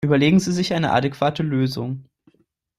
Überlegen Sie sich eine adäquate Lösung!